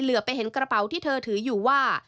เหลือไปเห็นกระเป๋าที่เธอถืออยู่ว่า